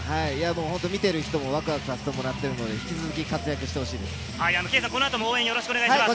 見てる人もワクワクさせてもらってるので、引き続き活躍してほしいです。